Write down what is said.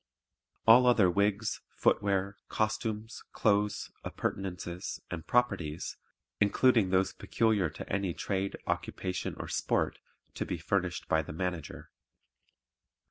All other wigs, footwear, costumes, clothes, appurtenances and "properties," including those peculiar to any trade, occupation or sport, to be furnished by the Manager.